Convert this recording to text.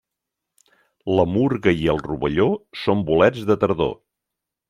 La murga i el rovelló són bolets de tardor.